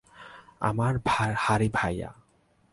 আমার হারি ভাইয়া।